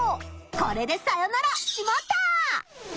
これでさよなら「しまった！」。